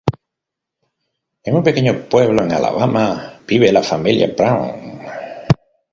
En un pequeño pueblo en Alabama vive la familia Brown.